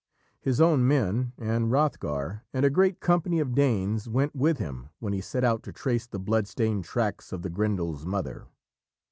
His own men, and Hrothgar, and a great company of Danes went with him when he set out to trace the blood stained tracks of the Grendel's mother.